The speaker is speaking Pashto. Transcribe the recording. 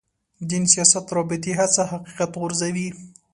دین سیاست رابطې هڅه حقیقت غورځوي.